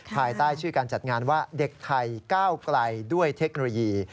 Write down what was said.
ภายใต้ชื่อการจัดงานว่าเด็กไทยก้าวไกลด้วยเทคโนโลยี